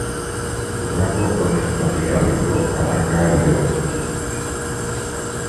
Su rango cronoestratigráfico abarca el Devónico.